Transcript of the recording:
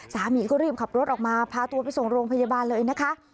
สามีก็รีบขับรถออกมาพาตัวไปส่งโรงพยาบาลเลยนะคะ